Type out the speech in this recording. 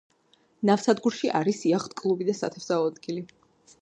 ნავსადგურში არის იახტ-კლუბი და სათევზაო ადგილი.